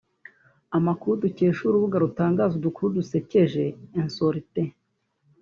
Amakuru dukesha urubuga rutangaza udukuru dusekeje(insolite)